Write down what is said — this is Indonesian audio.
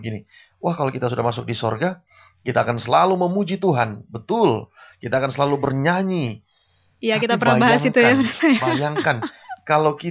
nilai dari satu bangunan itu